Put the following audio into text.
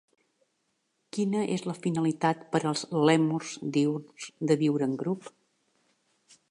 Quina és la finalitat per als lèmurs diürns de viure en grup?